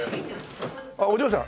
あっお嬢さん